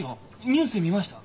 ニュースで見ました。